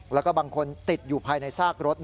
แล้วก็บางคนติดอยู่ภายในซากรถ